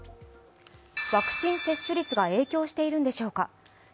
ワクチン接種率が影響しているのでしょうか。